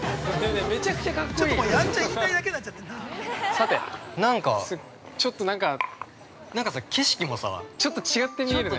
◆さて、なんか◆ちょっとなんか◆景色もさ、ちょっと違って見える。